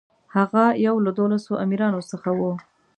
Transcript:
هغه یو له دولسو امیرانو څخه و.